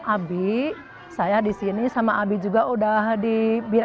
abi saya di sini sama abi juga udah diberi